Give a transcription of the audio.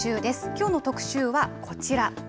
きょうの特集はこちら。